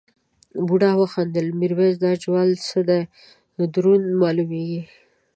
بوډا وخندل میرويس دا جوال څه دی دروند مالومېږي.